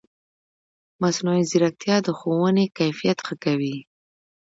مصنوعي ځیرکتیا د ښوونې کیفیت ښه کوي.